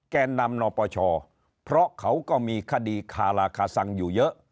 แก่นำนปชเพราะเขาก็มีคดีคาราคาซังอยู่เยอะ